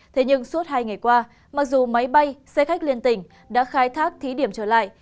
thế nhưng suốt hai ngày qua mặc dù máy bay xe khách liên tỉnh đã khai thác thí điểm trở lại